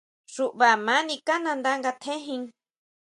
Xuʼba ma nikʼa nandá nga tjéjin.